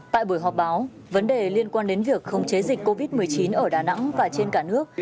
tại buổi họp báo vấn đề liên quan đến việc khống chế dịch covid một mươi chín ở đà nẵng và trên cả nước